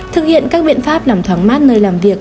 thực hiện các biện pháp làm thoáng mát nơi làm việc